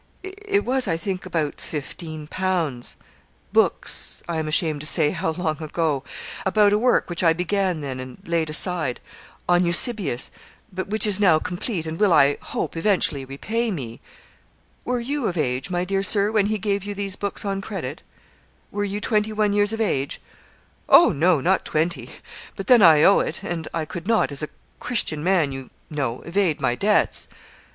It was, I think, about fifteen pounds books I am ashamed to say how long ago; about a work which I began then, and laid aside on Eusebius; but which is now complete, and will, I hope, eventually repay me.' 'Were you of age, my dear Sir, when he gave you these books on credit? Were you twenty one years of age?' 'Oh! no; not twenty; but then I owe it, and I could not, as s a Christian man, you know, evade my debts.'